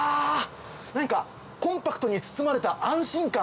何かコンパクトに包まれた安心感。